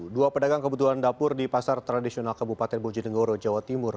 dua pedagang kebutuhan dapur di pasar tradisional kabupaten bojonegoro jawa timur